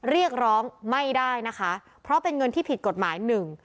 เรียกร้องไม่ได้นะคะเพราะเป็นเงินที่ผิดกฎหมายหนึ่ง